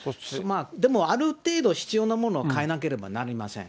でもある程度必要なものは変えなければなりません。